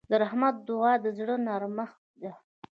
د رحمت دعا د زړه نرمښت ده.